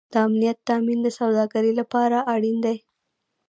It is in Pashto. د امنیت تامین د سوداګرۍ لپاره اړین دی